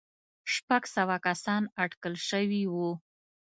شپږ سوه کسان اټکل شوي وو.